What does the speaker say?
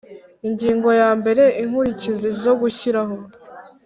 Ingingo ya mbere Inkurikizi zo gushyiraho